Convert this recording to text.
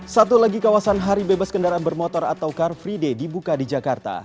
satu lagi kawasan hari bebas kendaraan bermotor atau car free day dibuka di jakarta